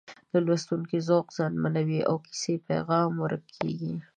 د لوستونکي ذوق زیانمنوي او د کیسې پیغام ورک کېږي